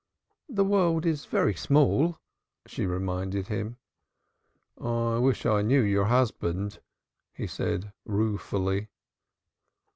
"The world is very small," she reminded him. "I wish I knew your husband," he said ruefully.